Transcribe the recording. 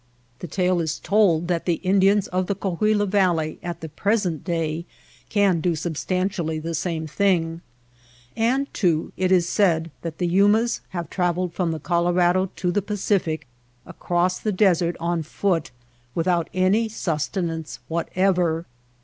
The tale is told that the Indians in the Coahuila Valley at the present day can do substantially the same thing. And, too, it is said that the Yumas have traveled from the Colorado to the Pacific, across the desert on foot, without any sustenance whatever.